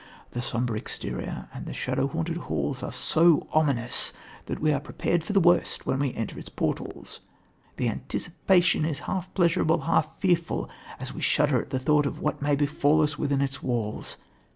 The sombre exterior and the shadow haunted hall are so ominous that we are prepared for the worst when we enter its portals. The anticipation is half pleasurable, half fearful, as we shudder at the thought of what may befall us within its walls.